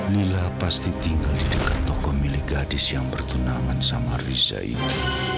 lila pasti tinggal di dekat toko milik gadis yang bertunangan sama riza ini